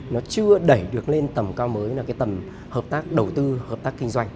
nó chưa đẩy được lên tầm cao mới là cái tầm hợp tác đầu tư hợp tác kinh doanh